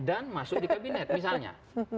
masuk di kabinet misalnya